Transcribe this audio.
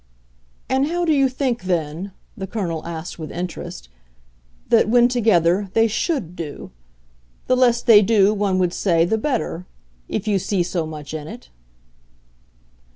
"And how do you think then," the Colonel asked with interest, "that, when together, they SHOULD do? The less they do, one would say, the better if you see so much in it."